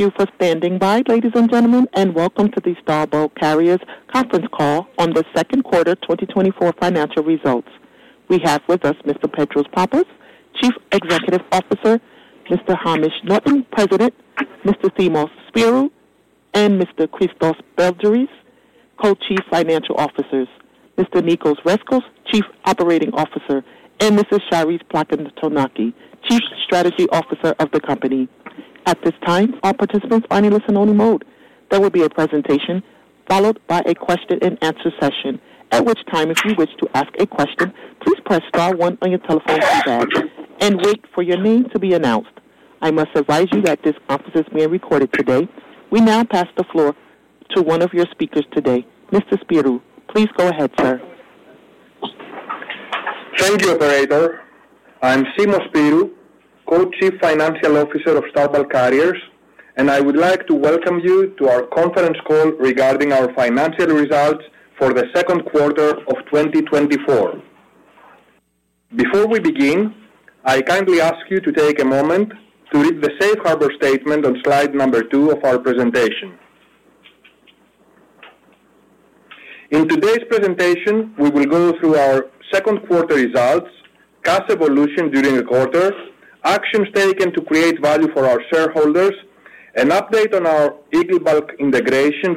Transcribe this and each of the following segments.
Thank you for standing by, ladies and gentlemen, and welcome to the Star Bulk Carriers conference call on the second quarter 2024 financial results. We have with us Mr. Petros Pappas, Chief Executive Officer, Mr. Hamish Norton, President, Mr. Simos Spyrou and Mr. Christos Begleris, Co-Chief Financial Officers, Mr. Nicos Rescos, Chief Operating Officer, and Mrs. Charis Plakantonaki, Chief Strategy Officer of the company. At this time, all participants are in listen-only mode. There will be a presentation followed by a question and answer session. At which time, if you wish to ask a question, please press star one on your telephone keypad and wait for your name to be announced. I must advise you that this conference is being recorded today. We now pass the floor to one of your speakers today. Mr. Spyrou, please go ahead, sir. Thank you, operator. I am Simos Spyrou, Co-Chief Financial Officer of Star Bulk Carriers, and I would like to welcome you to our conference call regarding our financial results for the second quarter of 2024. Before we begin, I kindly ask you to take a moment to read the safe harbor statement on slide number two of our presentation. In today's presentation, we will go through our second quarter results, cash evolution during the quarter, actions taken to create value for our shareholders, an update on our Eagle Bulk integration,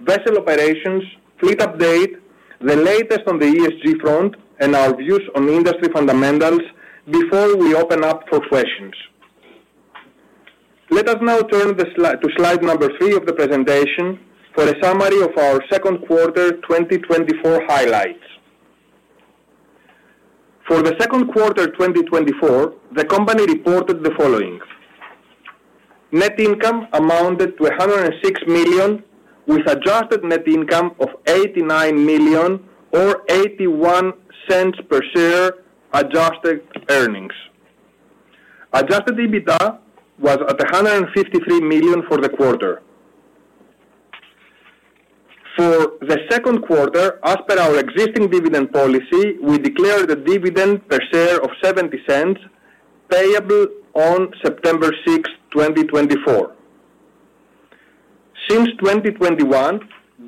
vessel operations, fleet update, the latest on the ESG front, and our views on industry fundamentals before we open up for questions. Let us now turn to slide number three of the presentation for a summary of our second quarter 2024 highlights. For the second quarter, 2024, the company reported the following: Net income amounted to $106 million, with adjusted net income of $89 million or $0.81 per share adjusted earnings. Adjusted EBITDA was at $153 million for the quarter. For the second quarter, as per our existing dividend policy, we declared a dividend per share of $0.70, payable on September 6th, 2024. Since 2021,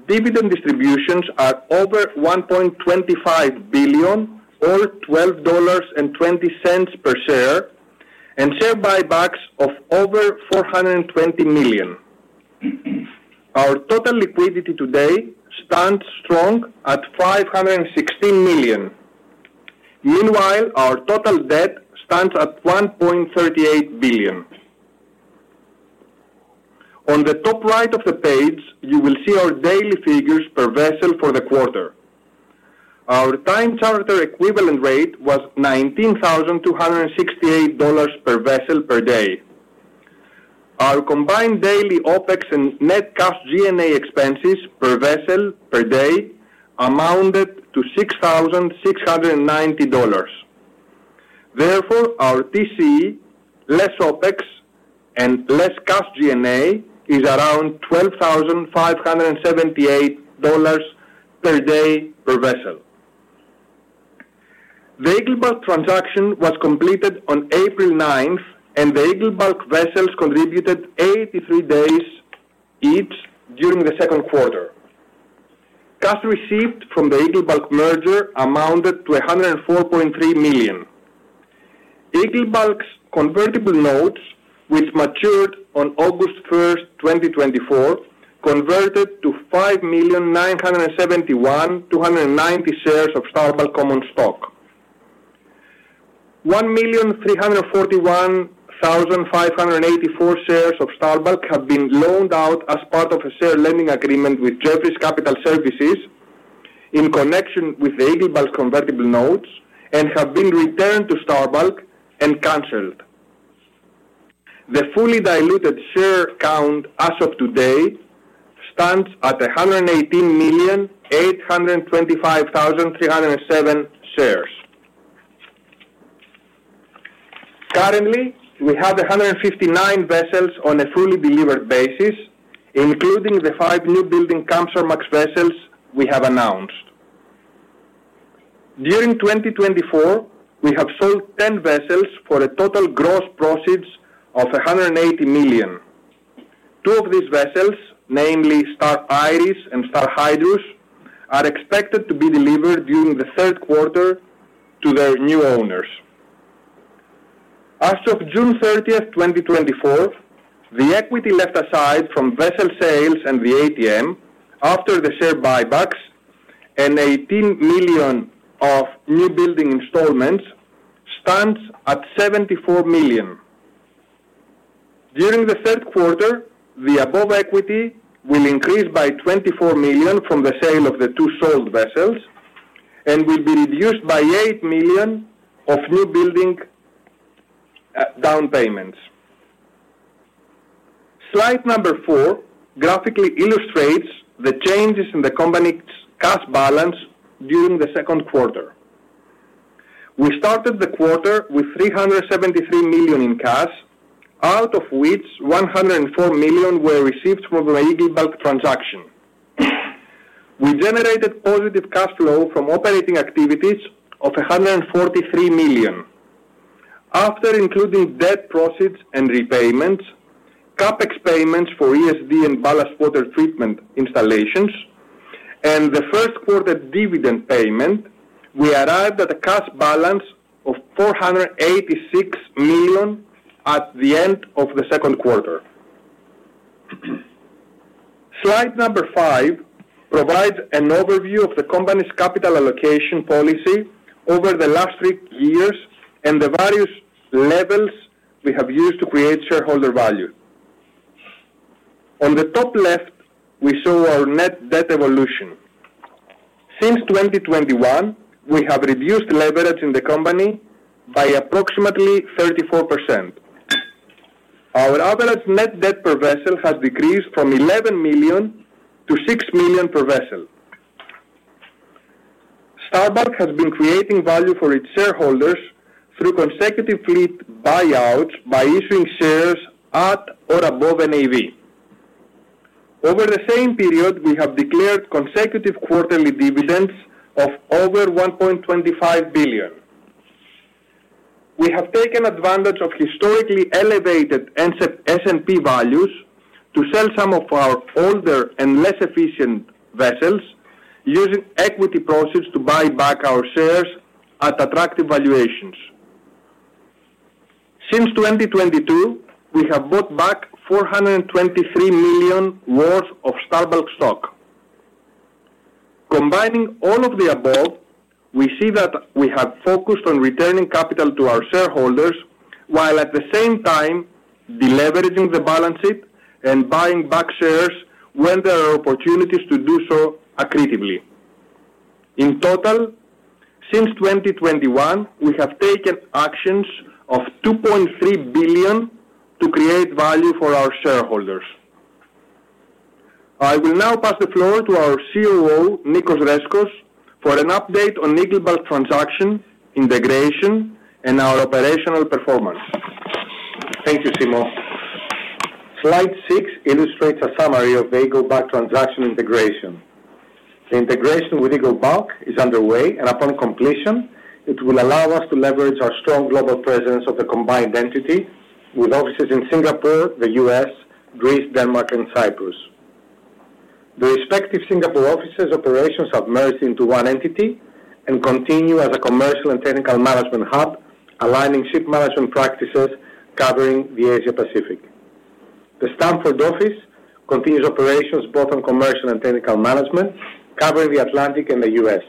dividend distributions are over $1.25 billion or $12.20 per share, and share buybacks of over $420 million. Our total liquidity today stands strong at $516 million. Meanwhile, our total debt stands at $1.38 billion. On the top right of the page, you will see our daily figures per vessel for the quarter. Our time charter equivalent rate was $19,268 per vessel per day. Our combined daily OpEx and net cash G&A expenses per vessel per day amounted to $6,690. Therefore, our TCE, less OpEx and less cash G&A, is around $12,578 per day per vessel. The Eagle Bulk transaction was completed on April 9, and the Eagle Bulk vessels contributed 83 days each during the second quarter. Cash received from the Eagle Bulk merger amounted to $104.3 million. Eagle Bulk's convertible notes, which matured on August 1, 2024, converted to 5,971,290 shares of Star Bulk common stock. 1,341,584 shares of Star Bulk have been loaned out as part of a share lending agreement with Jefferies Capital Services in connection with the Eagle Bulk convertible notes and have been returned to Star Bulk and canceled. The fully diluted share count as of today stands at 118,825,307 shares. Currently, we have 159 vessels on a fully delivered basis, including the five newbuilding Kamsarmax vessels we have announced. During 2024, we have sold 10 vessels for a total gross proceeds of $180 million. two of these vessels, namely Star Iris and Star Hydrus, are expected to be delivered during the third quarter to their new owners. As of June 30, 2024, the equity left aside from vessel sales and the ATM after the share buybacks and $18 million of newbuilding installments stands at $74 million. During the third quarter, the above equity will increase by $24 million from the sale of the two sold vessels and will be reduced by $8 million of newbuilding down payments. Slide four graphically illustrates the changes in the company's cash balance during the second quarter. We started the quarter with $373 million in cash, out of which $104 million were received from the Eagle Bulk transaction.... We generated positive cash flow from operating activities of $143 million. After including debt proceeds and repayments, CapEx payments for ESD and ballast water treatment installations, and the first quarter dividend payment, we arrived at a cash balance of $486 million at the end of the second quarter. Slide five provides an overview of the company's capital allocation policy over the last three years and the various levels we have used to create shareholder value. On the top left, we show our net debt evolution. Since 2021, we have reduced leverage in the company by approximately 34%. Our average net debt per vessel has decreased from $11 million to $6 million per vessel. Star Bulk has been creating value for its shareholders through consecutive fleet buyouts by issuing shares at or above NAV. Over the same period, we have declared consecutive quarterly dividends of over $1.25 billion. We have taken advantage of historically elevated second-hand S&P values to sell some of our older and less efficient vessels, using equity proceeds to buy back our shares at attractive valuations. Since 2022, we have bought back $423 million worth of Star Bulk stock. Combining all of the above, we see that we have focused on returning capital to our shareholders, while at the same time de-leveraging the balance sheet and buying back shares when there are opportunities to do so accretively. In total, since 2021, we have taken actions of $2.3 billion to create value for our shareholders. I will now pass the floor to our COO, Nicos Rescos, for an update on Eagle Bulk transaction, integration, and our operational performance. Thank you, Simos. Slide six illustrates a summary of the Eagle Bulk transaction integration. The integration with Eagle Bulk is underway, and upon completion, it will allow us to leverage our strong global presence of the combined entity, with offices in Singapore, the U.S., Greece, Denmark, and Cyprus. The respective Singapore offices operations have merged into one entity and continue as a commercial and technical management hub, aligning ship management practices covering the Asia Pacific. The Stamford office continues operations both on commercial and technical management, covering the Atlantic and the U.S.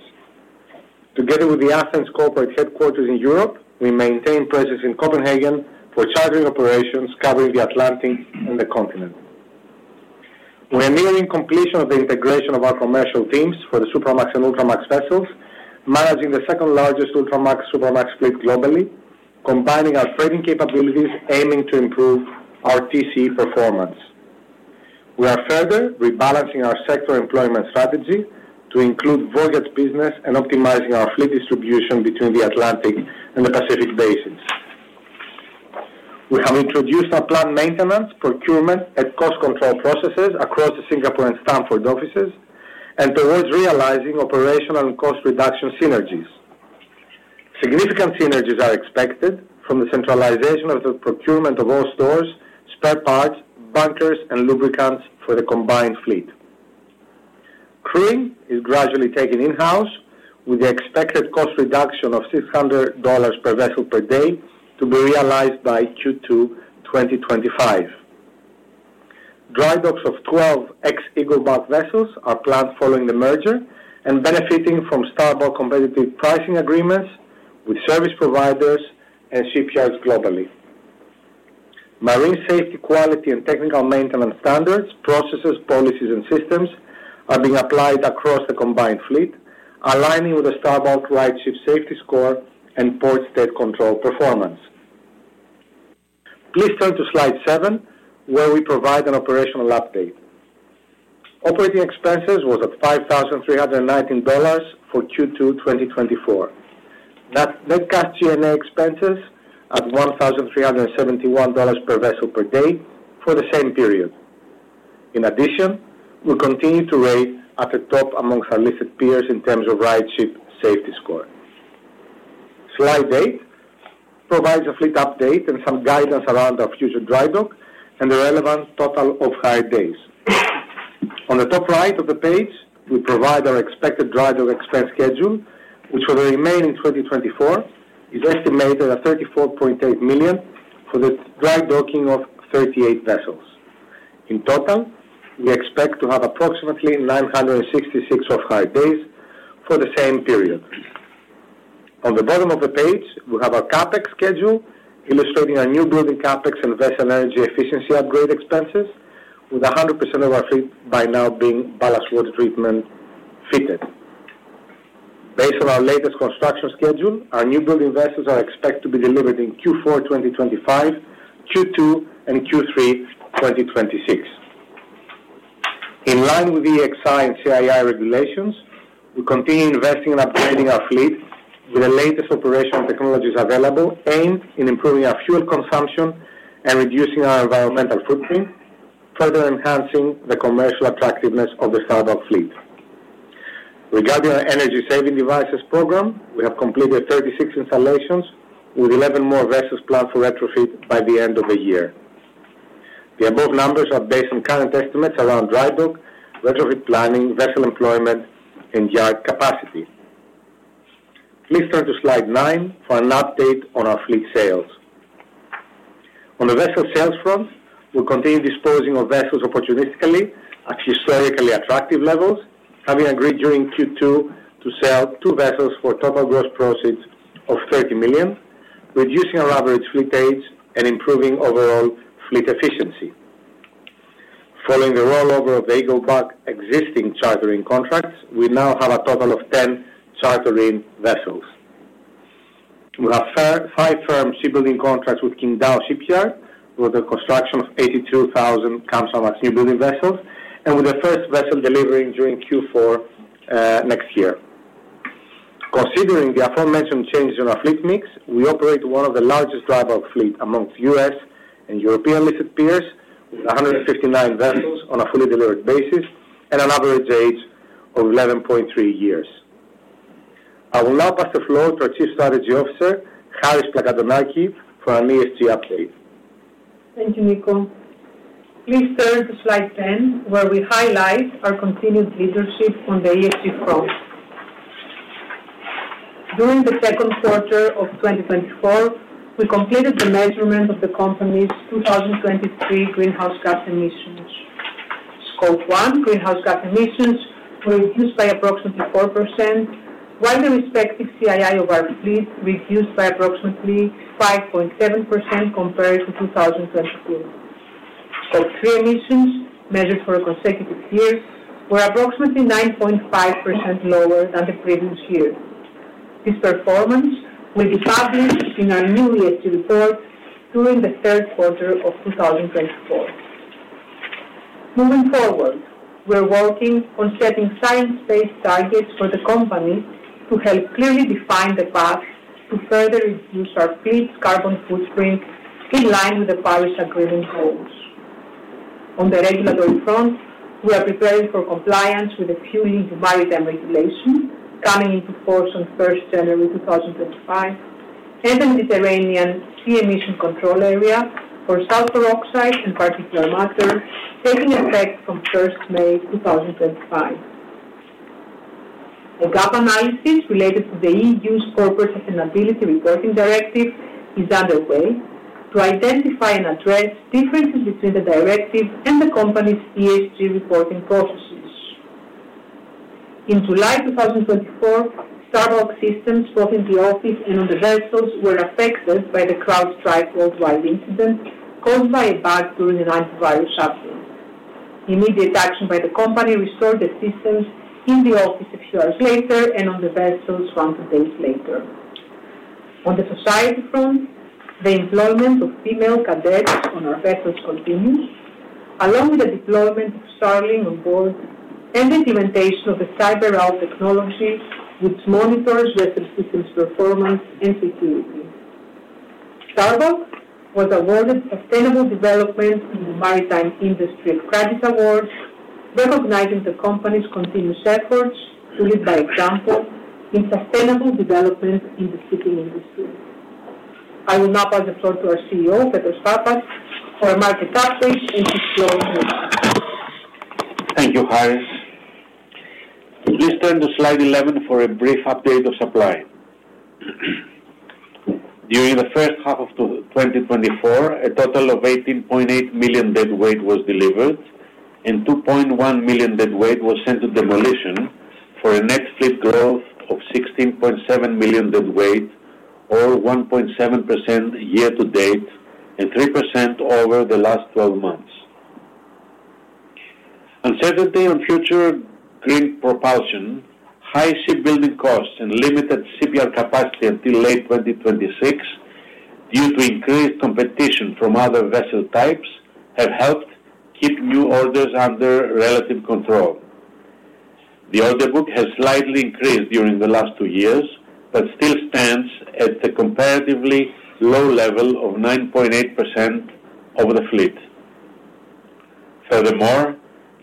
Together with the Athens corporate headquarters in Europe, we maintain presence in Copenhagen for chartering operations covering the Atlantic and the continent. We are nearing completion of the integration of our commercial teams for the Supramax and Ultramax vessels, managing the second-largest Ultramax, Supramax fleet globally, combining our trading capabilities, aiming to improve our TCE performance. We are further rebalancing our sector employment strategy to include voyage business and optimizing our fleet distribution between the Atlantic and the Pacific basins. We have introduced our planned maintenance, procurement, and cost control processes across the Singapore and Stamford offices, and towards realizing operational and cost reduction synergies. Significant synergies are expected from the centralization of the procurement of all stores, spare parts, bunkers, and lubricants for the combined fleet. Crewing is gradually taken in-house, with the expected cost reduction of $600 per vessel per day to be realized by Q2 2025. Dry docks of 12 ex-Eagle Bulk vessels are planned following the merger and benefiting from Star Bulk competitive pricing agreements with service providers and shipyards globally. Marine safety, quality, and technical maintenance standards, processes, policies, and systems are being applied across the combined fleet, aligning with the Star Bulk RightShip Safety Score and Port State Control performance. Please turn to slide seven, where we provide an operational update. Operating expenses was at $5,319 for Q2 2024. That net cash G&A expenses at $1,371 per vessel per day for the same period. In addition, we continue to rate at the top among our listed peers in terms of RightShip Safety Score. Slide 8 provides a fleet update and some guidance around our future dry dock and the relevant total of hire days. On the top right of the page, we provide our expected drydock expense schedule, which for the remaining 2024, is estimated at $34.8 million for the drydocking of 38 vessels. In total, we expect to have approximately 966 off-hire days for the same period. On the bottom of the page, we have our CapEx schedule, illustrating our newbuilding CapEx and vessel energy efficiency upgrade expenses, with 100% of our fleet by now being Ballast Water Treatment fitted. Based on our latest construction schedule, our newbuilding vessels are expected to be delivered in Q4 2025, Q2 and Q3 2026. In line with the EEXI and CII regulations, we continue investing in upgrading our fleet.... with the latest operational technologies available, aimed in improving our fuel consumption and reducing our environmental footprint, further enhancing the commercial attractiveness of the Star Bulk fleet. Regarding our energy-saving devices program, we have completed 36 installations, with 11 more vessels planned for retrofit by the end of the year. The above numbers are based on current estimates around drydock, retrofit planning, vessel employment, and yard capacity. Please turn to slide nine for an update on our fleet sales. On the vessel sales front, we continue disposing of vessels opportunistically at historically attractive levels, having agreed during Q2 to sell two vessels for a total gross proceeds of $30 million, reducing our average fleet age and improving overall fleet efficiency. Following the rollover of the Eagle Bulk existing chartering contracts, we now have a total of 10 chartering vessels. We have five firm shipbuilding contracts with Qingdao Shipyard, with the construction of 82,000 tons of our newbuilding vessels, and with the first vessel delivering during Q4 next year. Considering the aforementioned changes in our fleet mix, we operate one of the largest dry bulk fleets amongst US and European listed peers, with 159 vessels on a fully delivered basis and an average age of 11.3 years. I will now pass the floor to our Chief Strategy Officer, Charis Plakantonaki, for an ESG update. Thank you, Nicos. Please turn to slide 10, where we highlight our continued leadership on the ESG front. During the second quarter of 2024, we completed the measurement of the company's 2023 greenhouse gas emissions. Scope 1 greenhouse gas emissions were reduced by approximately 4%, while the respective CII of our fleet reduced by approximately 5.7% compared to 2022. Our Scope 3 emissions, measured for a consecutive year, were approximately 9.5% lower than the previous year. This performance will be published in our new ESG report during the third quarter of 2024. Moving forward, we're working on setting science-based targets for the company to help clearly define the path to further reduce our fleet's carbon footprint, in line with the Paris Agreement goals. On the regulatory front, we are preparing for compliance with the FuelEU Maritime Regulation, coming into force on January 1, 2025, and the Mediterranean Sea Emission Control Area for sulfur oxide and particulate matter, taking effect from May 1, 2025. A gap analysis related to the EU's Corporate Sustainability Reporting Directive is underway to identify and address differences between the directive and the company's ESG reporting processes. In July 2024, Star Bulk systems, both in the office and on the vessels, were affected by the CrowdStrike worldwide incident caused by a bug during an antivirus update. Immediate action by the company restored the systems in the office a few hours later and on the vessels 1-2 days later. On the society front, the employment of female cadets on our vessels continues, along with the deployment of Starlink on board and implementation of the CyberOwl technology, which monitors vessel systems performance and security. Star Bulk was awarded Sustainable Development in the Maritime Industry at Cargo Awards, recognizing the company's continuous efforts to lead by example in sustainable development in the shipping industry. I will now pass the floor to our CEO, Petros Pappas, for a market update and his closing remarks. Thank you, Charis. Please turn to slide 11 for a brief update of supply. During the first half of 2024, a total of 18.8 million deadweight was delivered, and 2.1 million deadweight was sent to demolition, for a net fleet growth of 16.7 million deadweight, or 1.7% year to date, and 3% over the last twelve months. Uncertainty on future green propulsion, high shipbuilding costs and limited shipyard capacity until late 2026, due to increased competition from other vessel types, have helped keep new orders under relative control. The order book has slightly increased during the last two years, but still stands at the comparatively low level of 9.8% of the fleet. Furthermore,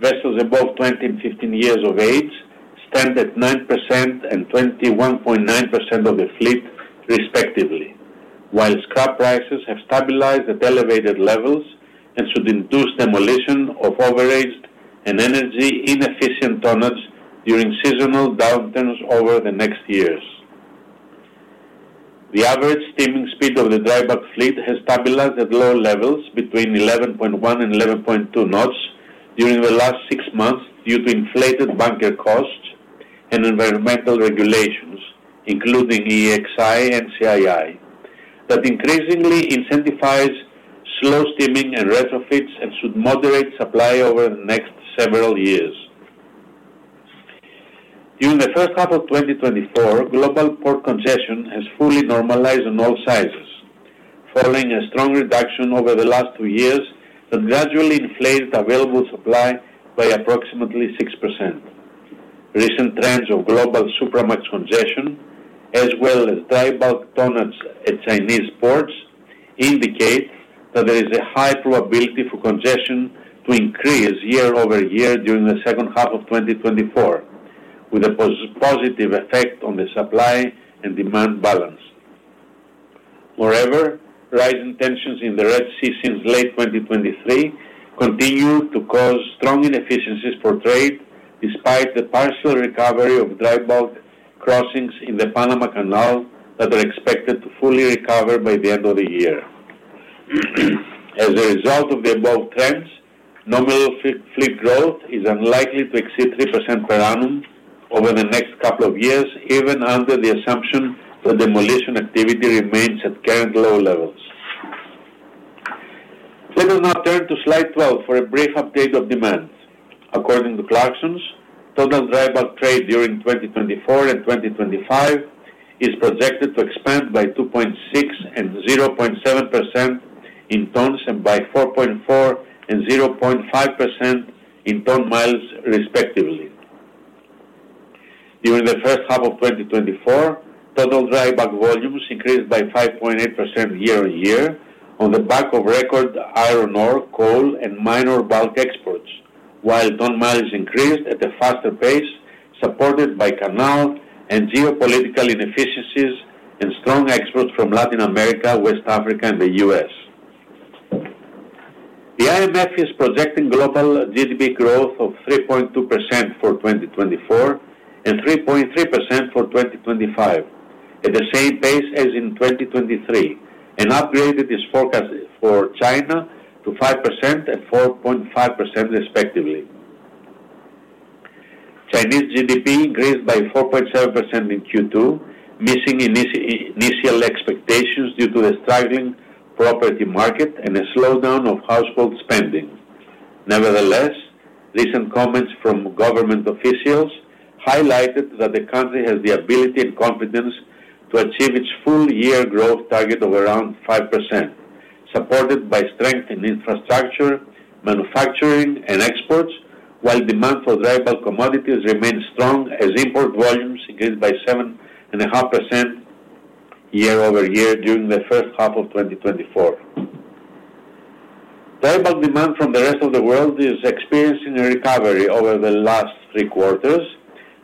vessels above 20 and 15 years of age stand at 9% and 21.9% of the fleet, respectively, while scrap prices have stabilized at elevated levels and should induce demolition of overaged and energy-inefficient tonnage during seasonal downturns over the next years. The average steaming speed of the dry bulk fleet has stabilized at lower levels between 11.1 and 11.2 knots during the last six months, due to inflated bunker costs and environmental regulations, including EEXI and CII, that increasingly incentivizes slow steaming and retrofits and should moderate supply over the next several years. During the first half of 2024, global port congestion has fully normalized on all sizes... following a strong reduction over the last two years, that gradually inflated available supply by approximately 6%. Recent trends of global Supramax congestion, as well as dry bulk tonnage at Chinese ports, indicate that there is a high probability for congestion to increase year-over-year during the second half of 2024, with a positive effect on the supply and demand balance. Moreover, rising tensions in the Red Sea since late 2023 continue to cause strong inefficiencies for trade, despite the partial recovery of dry bulk crossings in the Panama Canal that are expected to fully recover by the end of the year. As a result of the above trends, nominal fleet growth is unlikely to exceed 3% per annum over the next couple of years, even under the assumption that demolition activity remains at current low levels. Let us now turn to slide 12 for a brief update of demand. According to Clarksons, total dry bulk trade during 2024 and 2025 is projected to expand by 2.6% and 0.7% in tons, and by 4.4% and 0.5% in ton miles, respectively. During the first half of 2024, total dry bulk volumes increased by 5.8% year-on-year, on the back of record iron ore, coal, and minor bulk exports. While ton miles increased at a faster pace, supported by canal and geopolitical inefficiencies and strong exports from Latin America, West Africa, and the US. The IMF is projecting global GDP growth of 3.2% for 2024, and 3.3% for 2025, at the same pace as in 2023, and upgraded its forecast for China to 5% and 4.5% respectively. Chinese GDP increased by 4.7% in Q2, missing initial expectations due to a struggling property market and a slowdown of household spending. Nevertheless, recent comments from government officials highlighted that the country has the ability and confidence to achieve its full year growth target of around 5%, supported by strength in infrastructure, manufacturing, and exports, while demand for dry bulk commodities remains strong as import volumes increased by 7.5% year-over-year during the first half of 2024. Dry bulk demand from the rest of the world is experiencing a recovery over the last three quarters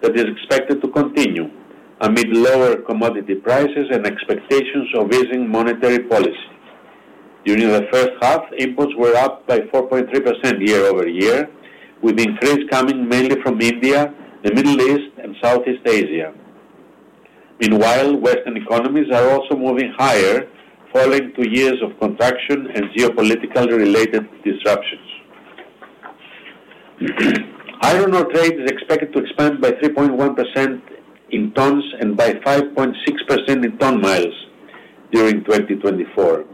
that is expected to continue amid lower commodity prices and expectations of easing monetary policy. During the first half, imports were up by 4.3% year-over-year, with increase coming mainly from India, the Middle East and Southeast Asia. Meanwhile, Western economies are also moving higher, following two years of contraction and geopolitical-related disruptions. Iron ore trade is expected to expand by 3.1% in tons and by 5.6% in ton miles during 2024.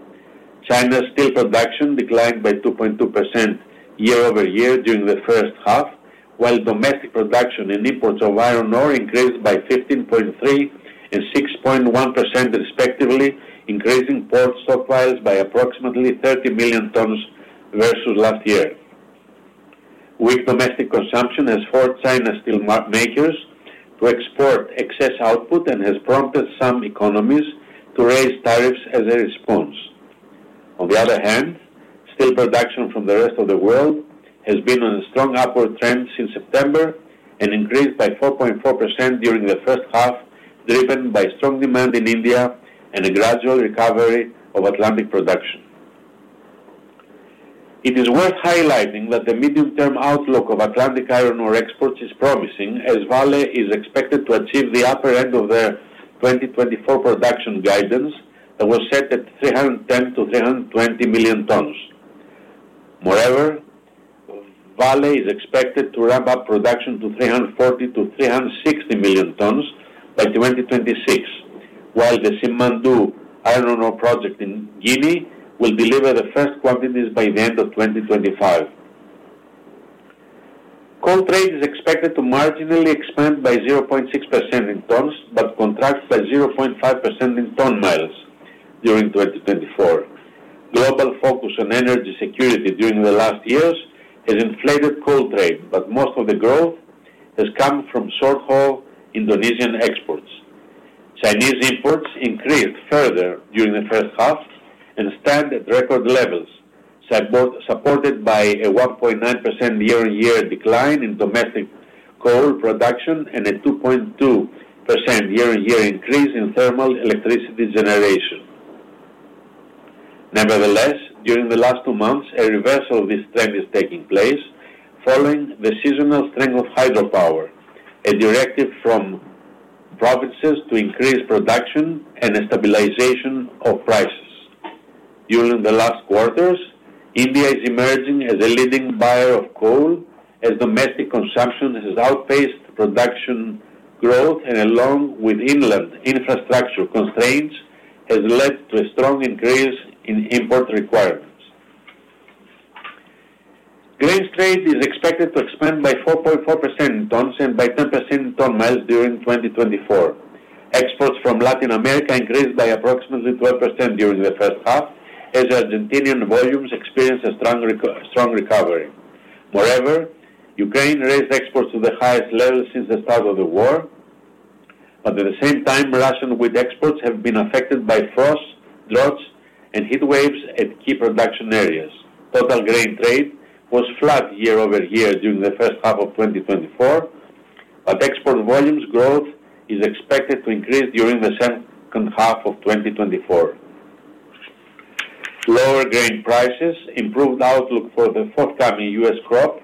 China's steel production declined by 2.2% year-over-year during the first half, while domestic production and imports of iron ore increased by 15.3% and 6.1%, respectively, increasing port stockpiles by approximately 30 million tons versus last year. Weak domestic consumption has forced China's steelmakers to export excess output, and has prompted some economies to raise tariffs as a response. On the other hand, steel production from the rest of the world has been on a strong upward trend since September and increased by 4.4% during the first half, driven by strong demand in India and a gradual recovery of Atlantic production. It is worth highlighting that the medium-term outlook of Atlantic iron ore exports is promising, as Vale is expected to achieve the upper end of their 2024 production guidance, that was set at 310-320 million tons. Moreover, Vale is expected to ramp up production to 340-360 million tons by 2026, while the Simandou iron ore project in Guinea will deliver the first quantities by the end of 2025. Coal trade is expected to marginally expand by 0.6% in tons, but contract by 0.5% in ton miles during 2024. Global focus on energy security during the last years has inflated coal trade, but most of the growth has come from short-haul Indonesian exports. Chinese imports increased further during the first half and stand at record levels, supported by a 1.9% year-on-year decline in domestic coal production and a 2.2% year-on-year increase in thermal electricity generation. Nevertheless, during the last two months, a reversal of this trend is taking place following the seasonal strength of hydropower, a directive from provinces to increase production, and a stabilization of prices. During the last quarters, India is emerging as a leading buyer of coal, as domestic consumption has outpaced production growth, and along with inland infrastructure constraints, has led to a strong increase in import requirements. Grains trade is expected to expand by 4.4% in tons and by 10% in ton miles during 2024. Exports from Latin America increased by approximately 12% during the first half, as Argentinian volumes experienced a strong recovery. Moreover, Ukraine raised exports to the highest level since the start of the war, but at the same time, Russian wheat exports have been affected by frost, droughts and heat waves at key production areas. Total grain trade was flat year-over-year during the first half of 2024, but export volumes growth is expected to increase during the second half of 2024. Lower grain prices, improved outlook for the forthcoming US crop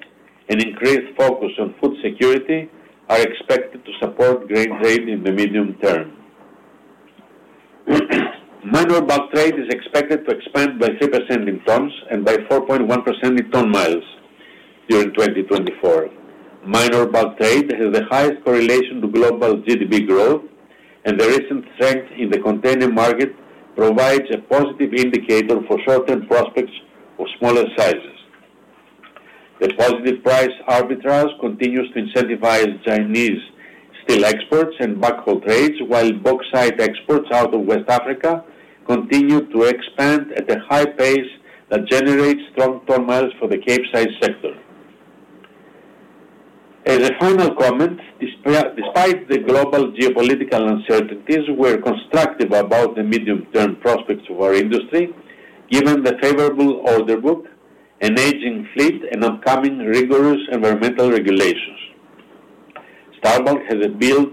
and increased focus on food security are expected to support grain trade in the medium term. Minor bulk trade is expected to expand by 3% in tons and by 4.1% in ton miles during 2024. Minor bulk trade has the highest correlation to global GDP growth, and the recent strength in the container market provides a positive indicator for short-term prospects of smaller sizes. The positive price arbitrage continues to incentivize Chinese steel exports and bulk trades, while bauxite exports out of West Africa continue to expand at a high pace that generates strong ton miles for the Capesize sector. As a final comment, despite the global geopolitical uncertainties, we're constructive about the medium-term prospects of our industry, given the favorable order book, an aging fleet and upcoming rigorous environmental regulations. Star Bulk has built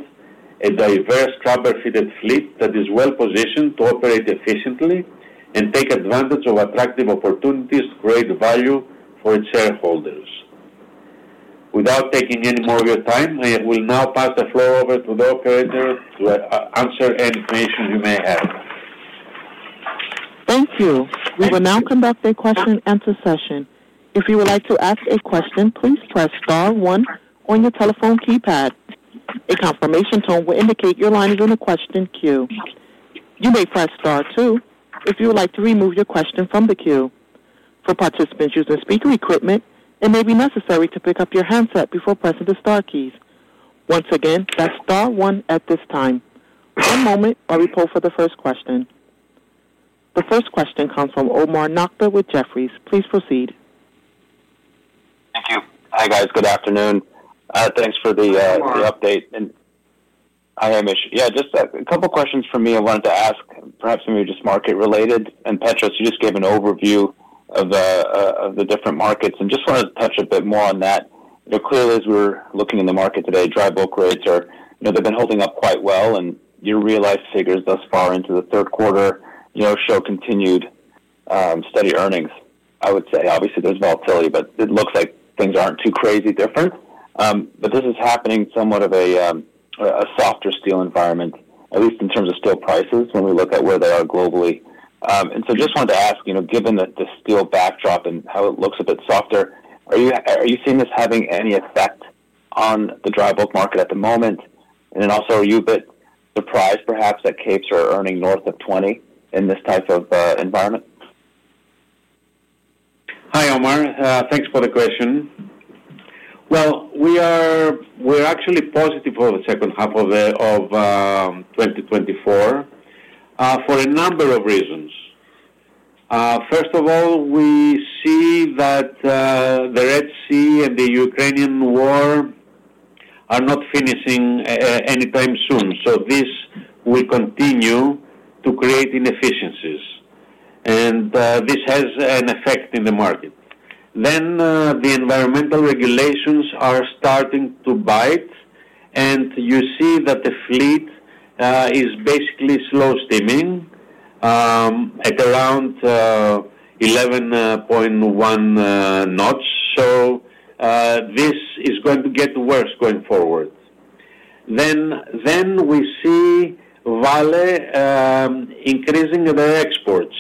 a diverse, proper fitted fleet that is well-positioned to operate efficiently and take advantage of attractive opportunities to create value for its shareholders. Without taking any more of your time, I will now pass the floor over to the operator to answer any questions you may have. Thank you. We will now conduct a question and answer session. If you would like to ask a question, please press star one on your telephone keypad. A confirmation tone will indicate your line is on the question queue. You may press star two if you would like to remove your question from the queue. For participants using speaker equipment, it may be necessary to pick up your handset before pressing the star keys. Once again, that's star one at this time. One moment while we poll for the first question. The first question comes from Omar Nokta with Jefferies. Please proceed. Thank you. Hi, guys. Good afternoon. Thanks for the update- Omar. Hi, Hamish. Yeah, just a couple questions for me I wanted to ask, perhaps some are just market related. Petros, you just gave an overview of the different markets. I just wanted to touch a bit more on that. Clearly, as we're looking in the market today, dry bulk rates are, you know, they've been holding up quite well, and your realized figures thus far into the third quarter, you know, show continued steady earnings. I would say obviously there's volatility, but it looks like things aren't too crazy different. But this is happening in somewhat of a softer steel environment, at least in terms of steel prices when we look at where they are globally. Just wanted to ask, you know, given the steel backdrop and how it looks a bit softer, are you seeing this having any effect on the dry bulk market at the moment? And then also, are you a bit surprised, perhaps, that capes are earning north of $20 in this type of environment? Hi, Omar, thanks for the question. Well, we are... we're actually positive for the second half of 2024, for a number of reasons. First of all, we see that the Red Sea and the Ukrainian war are not finishing anytime soon, so this will continue to create inefficiencies, and this has an effect in the market. Then, the environmental regulations are starting to bite, and you see that the fleet is basically slow steaming at around 11.1 knots. So, this is going to get worse going forward. Then we see Vale increasing their exports,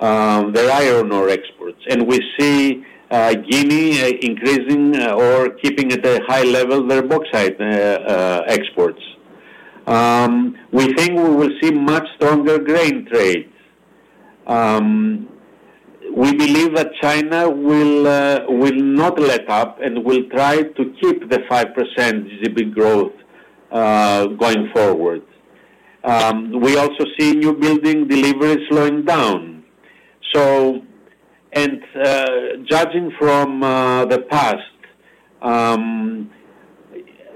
their iron ore exports, and we see Guinea increasing or keeping at a high level, their bauxite exports. We think we will see much stronger grain trades. We believe that China will not let up and will try to keep the 5% GDP growth going forward. We also see newbuilding deliveries slowing down. So, judging from the past,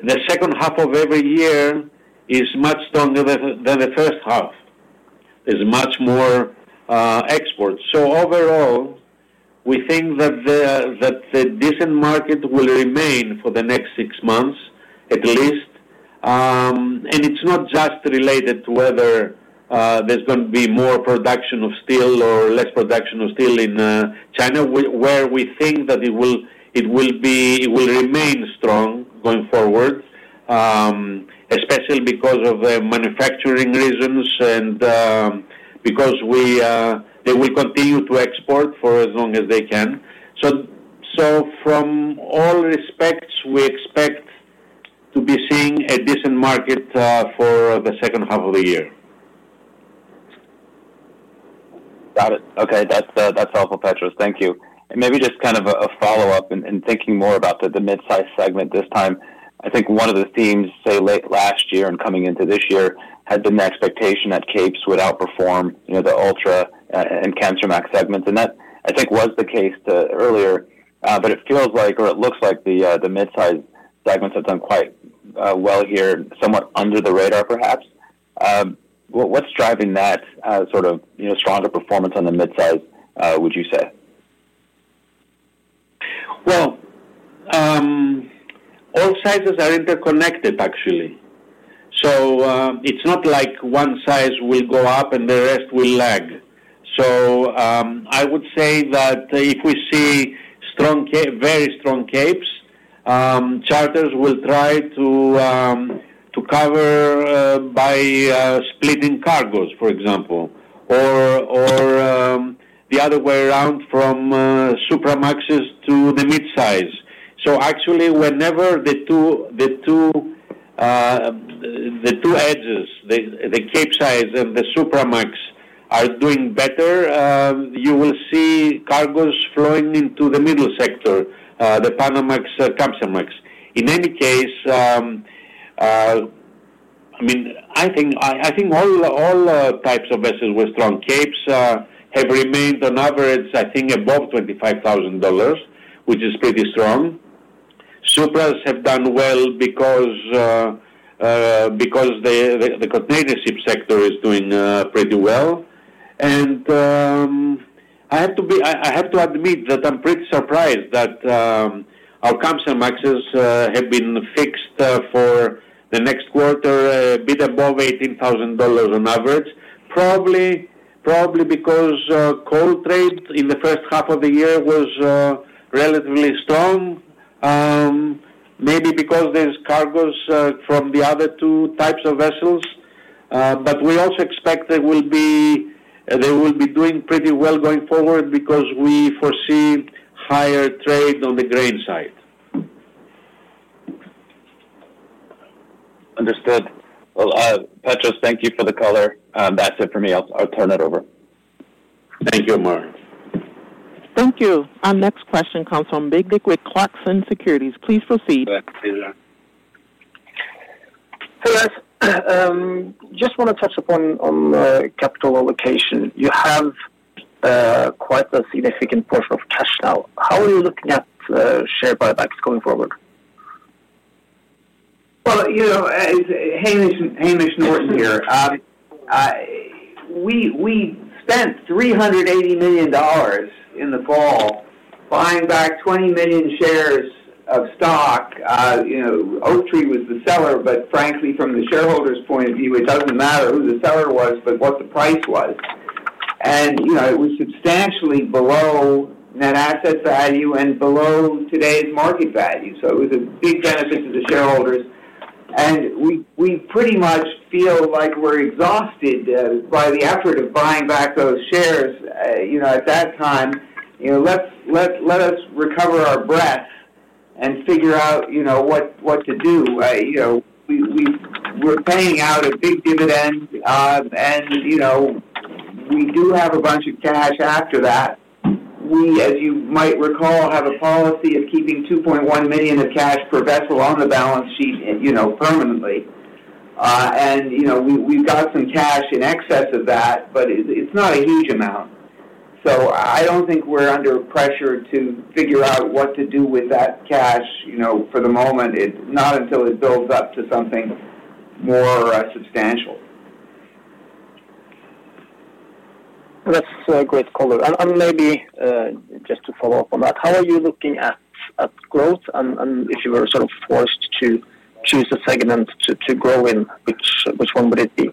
the second half of every year is much stronger than the first half. There's much more exports. So overall, we think that the decent market will remain for the next six months, at least. And it's not just related to whether there's going to be more production of steel or less production of steel in China, where we think that it will remain strong going forward, especially because of the manufacturing reasons and because they will continue to export for as long as they can. So from all respects, we expect to be seeing a decent market for the second half of the year. Got it. Okay, that's, that's helpful, Petros. Thank you. And maybe just kind of a follow-up and thinking more about the mid-size segment this time. I think one of the themes, say, late last year and coming into this year, had been the expectation that Capes would outperform, you know, the Ultra and Kamsarmax segment. And that, I think, was the case, earlier. But it feels like, or it looks like the mid-size segment have done quite well here, somewhat under the radar, perhaps. What, what's driving that, sort of, you know, stronger performance on the mid-size, would you say? Well, all sizes are interconnected, actually. So, it's not like one size will go up and the rest will lag. So, I would say that if we see strong Capes, very strong Capes, charters will try to cover by splitting cargoes, for example, or the other way around from Supramaxes to the mid-size. So actually, whenever the two edges, the Capesize and the Supramax are doing better, you will see cargoes flowing into the middle sector, the Panamax, Kamsarmax. In any case, I mean, I think all types of vessels were strong. Capes have remained on average, I think, above $25,000, which is pretty strong. Supras have done well because, because the container ship sector is doing, pretty well. And, I have to admit that I'm pretty surprised that, our Kamsarmaxes, have been fixed, for the next quarter, a bit above $18,000 on average. Probably, because, coal trade in the first half of the year was, relatively strong. Maybe because there's cargoes, from the other two types of vessels. But we also expect they will be, they will be doing pretty well going forward because we foresee higher trade on the grain side. Understood. Well, Petros, thank you for the color. That's it for me. I'll turn it over. Thank you, Mark. Thank you. Our next question comes from Bendik Nyttingnes with Clarksons Securities. Please proceed. Hey, guys. Just want to touch upon capital allocation. You have quite a significant portion of cash now. How are you looking at share buybacks going forward? Well, you know, it's Hamish Norton here. We spent $380 million in the fall buying back 20 million shares of stock. You know, Oaktree was the seller, but frankly, from the shareholder's point of view, it doesn't matter who the seller was, but what the price was. You know, it was substantially below net asset value and below today's market value. So it was a big benefit to the shareholders. We pretty much feel like we're exhausted by the effort of buying back those shares, you know, at that time. You know, let us recover our breath and figure out, you know, what to do. You know, we're paying out a big dividend, and, you know, we do have a bunch of cash after that. We, as you might recall, have a policy of keeping $2.1 million of cash per vessel on the balance sheet, you know, permanently. And, you know, we've got some cash in excess of that, but it's not a huge amount. So I don't think we're under pressure to figure out what to do with that cash, you know, for the moment, not until it builds up to something more, substantial. That's a great color. And maybe just to follow up on that, how are you looking at growth? And if you were sort of forced to choose a segment to grow in, which one would it be?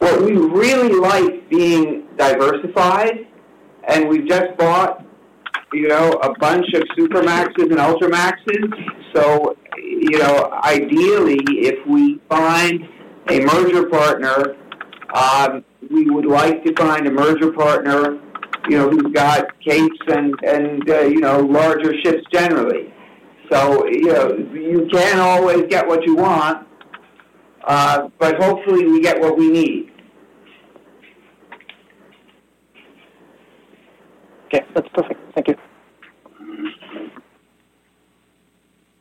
Well, we really like being diversified, and we just bought, you know, a bunch of Supramaxes and Ultramaxes. So, you know, ideally, if we find a merger partner, we would like to find a merger partner, you know, who's got Capes and, you know, larger ships generally. So, you know, you can't always get what you want, but hopefully we get what we need. Okay, that's perfect. Thank you.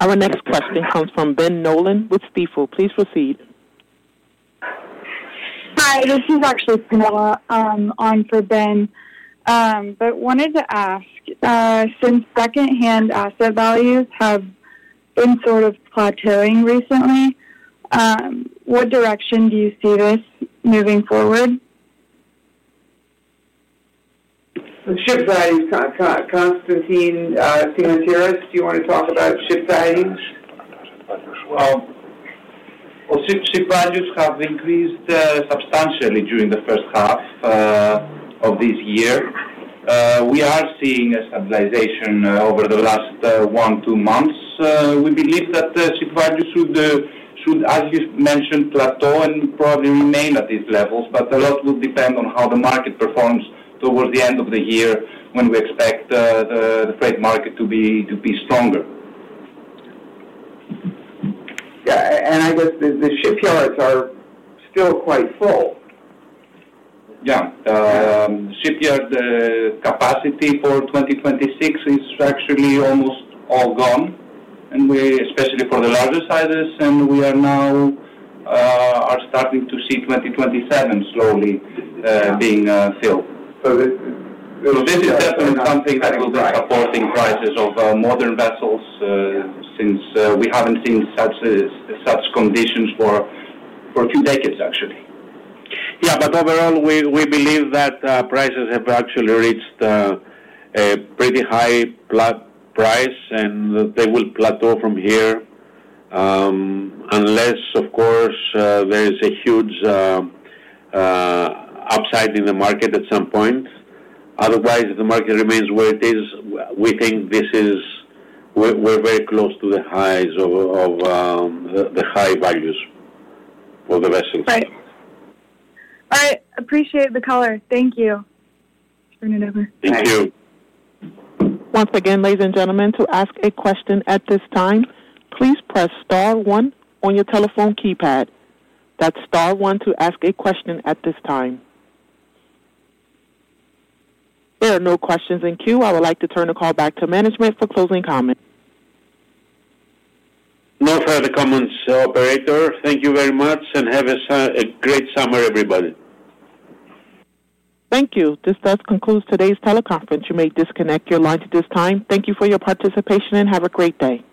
Our next question comes from Ben Nolan with Stifel. Please proceed. Hi, this is actually Camilla, on for Ben. But wanted to ask, since secondhand asset values have been sort of plateauing recently, what direction do you see this moving forward? Ship values, Constantinos Constantinides, do you want to talk about ship values? Well, ship values have increased substantially during the first half of this year. We are seeing a stabilization over the last 1-2 months. We believe that ship values should, as you mentioned, plateau and probably remain at these levels, but a lot will depend on how the market performs towards the end of the year, when we expect the freight market to be stronger. Yeah, and I guess the shipyards are still quite full. Yeah. Shipyard capacity for 2026 is actually almost all gone, and we especially for the larger sizes, and we are now starting to see 2027 slowly being filled. So this- So this is definitely something that will be supporting prices of modern vessels, since we haven't seen such conditions for a few decades, actually. Yeah, but overall, we believe that prices have actually reached a pretty high price, and they will plateau from here. Unless, of course, there is a huge upside in the market at some point. Otherwise, if the market remains where it is, we think this is... We're very close to the highs of the high values for the vessels. Right. I appreciate the color. Thank you. Turn it over. Thank you. Once again, ladies and gentlemen, to ask a question at this time, please press star one on your telephone keypad. That's star one to ask a question at this time. There are no questions in queue. I would like to turn the call back to management for closing comments. No further comments, operator. Thank you very much, and have a great summer, everybody. Thank you. This does conclude today's teleconference. You may disconnect your line at this time. Thank you for your participation, and have a great day.